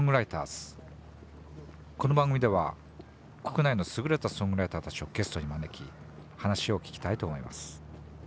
この番組では国内の優れたソングライターたちをゲストに招き話を聞きたいと思います。